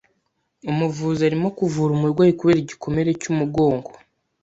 Umuvuzi arimo kuvura umurwayi kubera igikomere cyumugongo.